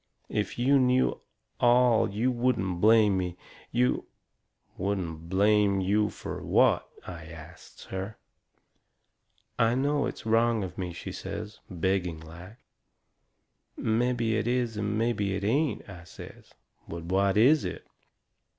If you knew ALL you wouldn't blame me. You " "Wouldn't blame you fur what?" I asts her. "I know it's wrong of me," she says, begging like. "Mebby it is and mebby it ain't," I says. "But what is it?"